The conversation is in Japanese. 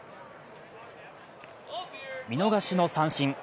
見逃しの三振。